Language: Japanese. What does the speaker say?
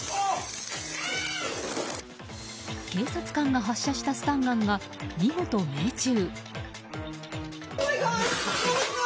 警察官が発射したスタンガンが見事命中。